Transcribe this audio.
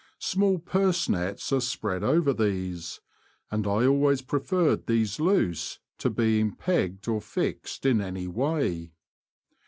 Small purse nets are spread over these, and I always preferred these loose to being pegged or fixed in any way.